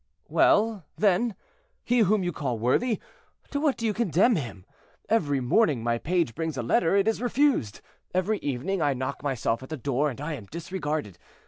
"Well, then, he whom you call worthy, to what do you condemn him? Every morning my page brings a letter; it is refused. Every evening I knock myself at the door, and I am disregarded.